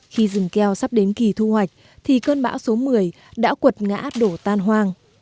khi rừng keo sắp đến kỳ thu hoạch thì cơn bão số một mươi đã quật ngã đổ tan hoang